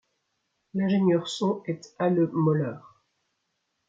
L'ingénieur-son est Ale Möller.